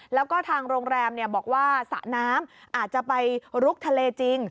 แล้วก็ทางโรงแรมบอกว่าสระน้ำอาจจะไปลุกทะเลจริง